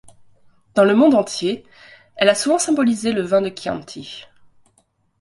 Dans le monde entier, elle a souvent symbolisé le vin de Chianti.